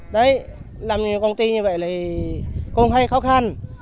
đấy làm công ty như vậy là cũng hay khó khăn